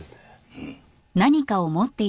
うん。